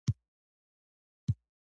اته اویایم سوال د مامور د دندې په اړه دی.